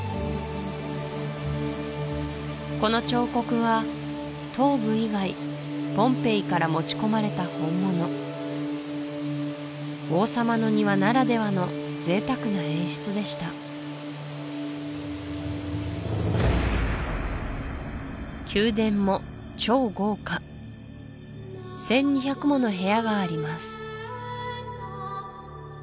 この彫刻は頭部以外ポンペイから持ち込まれた本物王様の庭ならではの贅沢な演出でした宮殿も超豪華１２００もの部屋があります